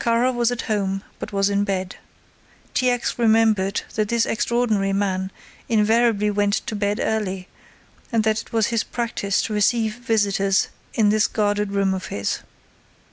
Kara was at home, but was in bed. T. X. remembered that this extraordinary man invariably went to bed early and that it was his practice to receive visitors in this guarded room of his.